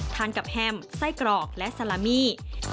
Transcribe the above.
ทานกับแฮมไส้กรอกและซาลามี่